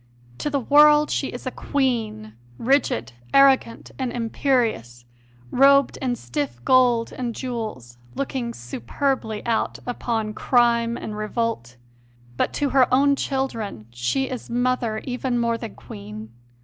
To the world she is a Queen, rigid, arrogant, and imperious, robed in stiff gold and jewels, looking superbly out upon crime and revolt; but to her own children she is Mother even more than Queen.